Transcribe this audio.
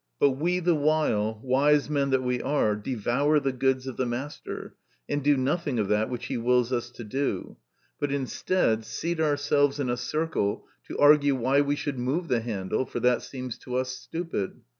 But we the while, wise men that we are, devour the goods of the master, and do nothing of that which he wills us to do ; but instead, seat ourselves in a circle to argue why we should move the handle, for that seems to us stupid.